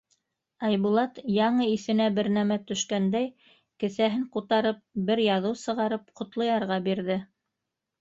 Айбулат, яңы иҫенә бер нәмә төшкәндәй, кеҫәһен ҡутарып бер яҙыу сығарып Ҡотлоярға бирҙе.